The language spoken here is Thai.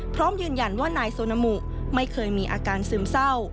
พร้อมยืนยันว่านายโซนามุไม่เคยมีอาการซึมเศร้า